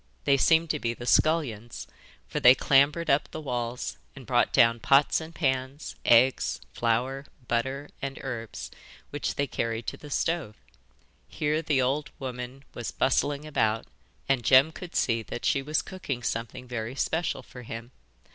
They seemed to be the scullions, for they clambered up the walls and brought down pots and pans, eggs, flour, butter, and herbs, which they carried to the stove. Here the old woman was bustling about, and Jem could see that she was cooking something very special for him.